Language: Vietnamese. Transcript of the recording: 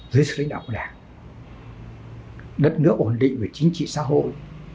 dưới sự lãnh đạo đảng đất nước ổn định về chính trị xã hội